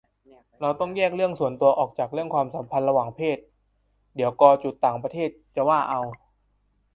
เราต้องแยกเรื่องส่วนตัวออกจากเรื่องความสัมพันธ์ระหว่างเพศ เดี๋ยวก.ต่างประเทศจะว่าเอา